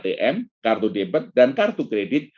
atm kartu debit dan kartu kredit